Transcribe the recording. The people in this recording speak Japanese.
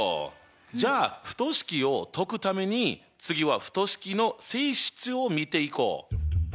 じゃあ不等式を解くために次は不等式の性質を見ていこう！